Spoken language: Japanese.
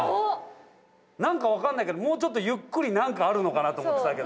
何か分かんないけどもうちょっとゆっくり何かあるのかなと思ってたけど。